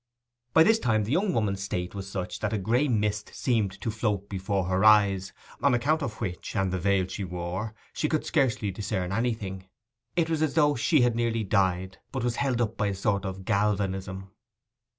By this time the young woman's state was such that a gray mist seemed to float before her eyes, on account of which, and the veil she wore, she could scarcely discern anything: it was as though she had nearly died, but was held up by a sort of galvanism.